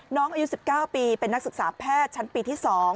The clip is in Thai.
น้องอายุ๑๙ปีเป็นนักศึกษาแพทย์ชั้นปีที่๒